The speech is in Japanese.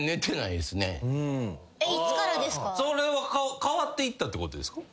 それは変わっていったってことですか？